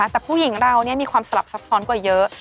แต่ผู้หญิงเรามีความสลับซับซ้อนกว่าเยอะ